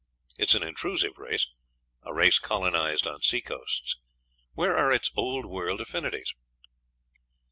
It is an intrusive race; a race colonized on sea coasts. Where are its Old World affinities?